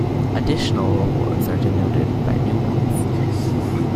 Additional awards are denoted by numerals.